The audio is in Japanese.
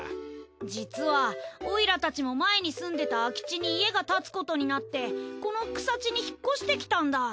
実はオイラたちも前に住んでた空地に家が建つことになってこの草地に引っ越してきたんだ。